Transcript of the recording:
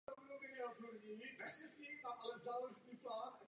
Objekt je typickým představitelem architektonické tvorby meziválečného období ve Zlíně.